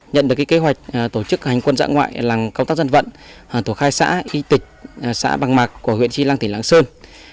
nhận được kế hoạch tổ chức hành quân dã ngoại làm công tác dân vận tổ hai xã y tịch xã bằng mạc của huyện tri lăng tỉnh lạng sơn